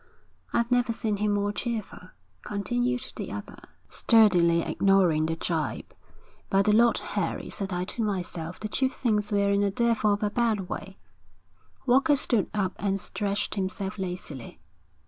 'I've never seen him more cheerful,' continued the other, sturdily ignoring the gibe. 'By the Lord Harry, said I to myself, the chief thinks we're in a devil of a bad way.' Walker stood up and stretched himself lazily.